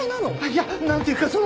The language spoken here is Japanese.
いやなんていうかその。